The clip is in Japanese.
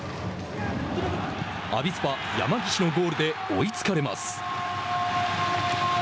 アビスパ、山岸のゴールで追いつかれます。